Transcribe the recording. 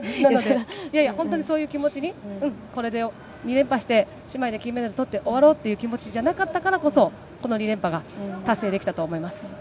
本当にそういう気持ちに、これで２連覇して、姉妹で金メダルとって終わろうっていう気持ちじゃなかったからこそ、この２連覇が達成できたと思います。